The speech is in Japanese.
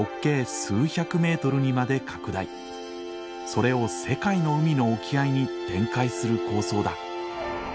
それを世界の海の沖合に展開する構想だ。